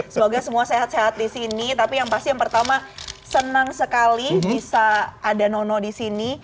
semoga semua sehat sehat di sini tapi yang pasti yang pertama senang sekali bisa ada nono di sini